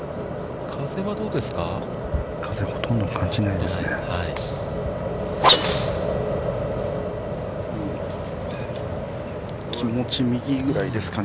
風は、どうですか。